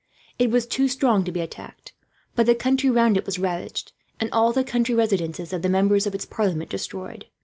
It was too strong to be attacked; but the country round it was ravaged, and all the country residences of the members of its parliament destroyed.